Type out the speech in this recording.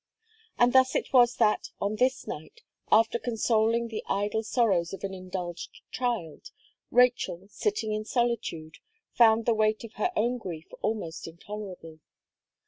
And thus it was that, on this night, after consoling the idle sorrows of an indulged child, Rachel, sitting in solitude, found the weight of her own grief almost intolerable.